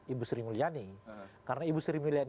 ibu sri mulyani karena ibu sri mulyani